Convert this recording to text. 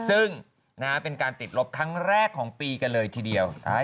ซึ่งนะฮะเป็นการติดลบครั้งแรกของปีกันเลยทีเดียว